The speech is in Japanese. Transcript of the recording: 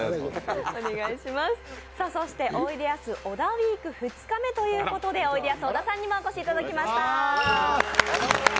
そして「おいでやす小田ウイーク」２日目ということでおいでやす小田さんにもお越しいただきました。